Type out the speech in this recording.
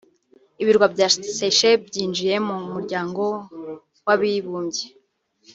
Ibirwa bya Seychelles byinjiye mu muryango w’abibumbye